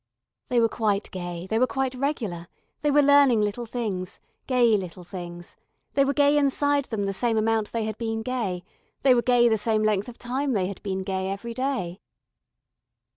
They were quite gay, they were quite regular, they were learning little things, gay little things, they were gay inside them the same amount they had been gay, they were gay the same length of time they had been gay every day.